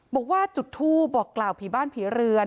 บอกว่าจุดทูปบอกกล่าวผีบ้านผีเรือน